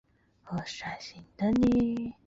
江苏巡抚宋荦聘致幕中。